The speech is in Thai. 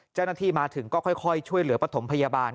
เจ้าหน้าที่มาถึงก็ค่อยช่วยเหลือปฐมพยาบาล